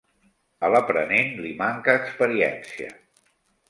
A l'aprenent li manca experiència.